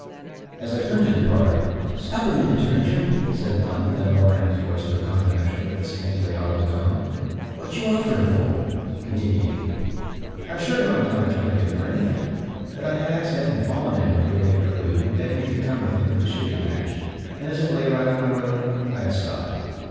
As I turned to depart, "Stop a minute, stranger!" said one: then lowering his voice to a confidential but distinctly audible tone, "What you offering for?" continued he. I assured him I was not a candidate for anything; that I had accidentally fallen in with Billy Curlew, who begged me to come with him to the shooting match, and, as it lay right on my road, I had stopped.